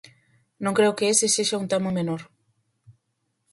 Non creo que ese sexa un tema menor.